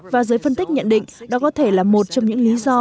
và giới phân tích nhận định đó có thể là một trong những lý do